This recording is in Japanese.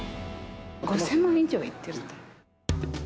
５０００万以上はいってる。